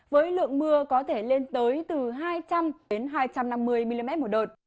với lượng mưa có thể lên tới từ hai trăm linh hai trăm năm mươi mm một đợt